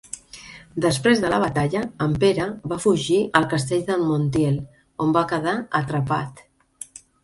Després de la batalla, en Pere va fugir al castell de Montiel, on va quedar atrapat.